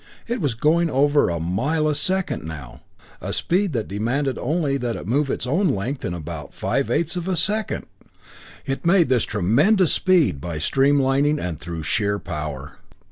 It was going over a mile a second now a speed that demanded only that it move its own length in about five eights of a second! It made this tremendous speed by streamlining and through sheer power.